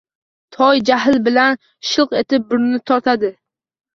Toy jahl bilan «shilq» etib burnini tortadi.